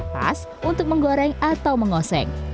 pas untuk menggoreng atau mengoseng